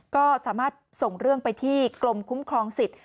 ก็สามารถส่งเรื่องไปที่กรมคุ้มครองสิทธิ